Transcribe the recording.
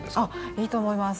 いいと思います。